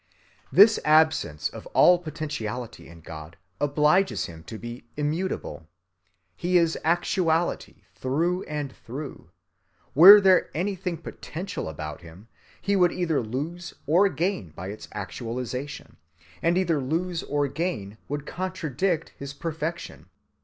This absence of all potentiality in God obliges Him to be immutable. He is actuality, through and through. Were there anything potential about Him, He would either lose or gain by its actualization, and either loss or gain would contradict his perfection.